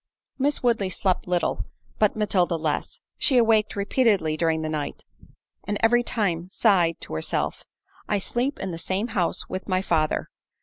Miss Woodley slept little, but Matilda less—she awaked repeatedly during the night, and every time sighed to herself, "I sleep in the same house with my father!